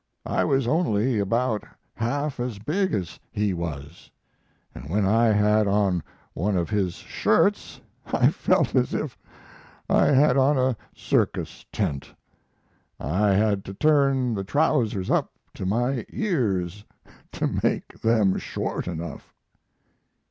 I was only about half as big as he was, and when I had on one of his shirts I felt as if I had on a circus tent. I had to turn the trousers up to my ears to make them short enough."